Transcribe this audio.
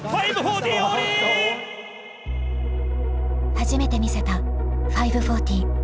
初めて見せた５４０。